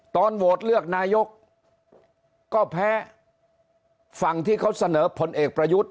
ตอนโหวตเลือกนายกก็แพ้ฝั่งที่เขาเสนอผลเอกประยุทธ์